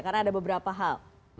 karena ada beberapa hal